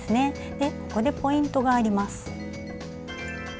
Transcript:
でここでポイントがあります。